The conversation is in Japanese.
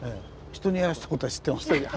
人にやらせたことは知ってましたけど。